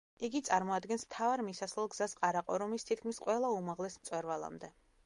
იგი წარმოადგენს მთავარ მისასვლელ გზას ყარაყორუმის თითქმის ყველა უმაღლეს მწვერვალამდე.